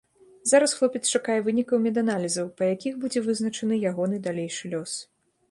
Зараз хлопец чакае вынікаў меданалізаў, па якіх будзе вызначаны ягоны далейшы лёс.